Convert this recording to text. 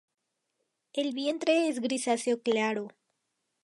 El vientre es grisáceo claro.